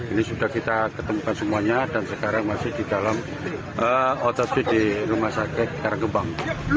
ini sudah kita ketemukan semuanya dan sekarang masih di dalam otot b di rumah sakit karangkembang